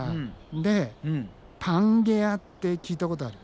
でパンゲアって聞いたことある？